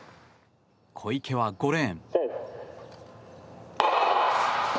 小池は５レーン。